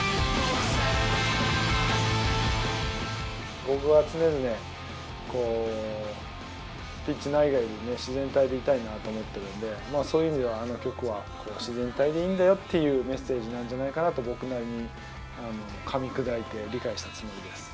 僕は常々こうピッチ内外でね自然体でいたいなと思っているのでそういう意味ではあの曲は「自然体でいいんだよ」っていうメッセージなんじゃないかなと僕なりにかみ砕いて理解したつもりです。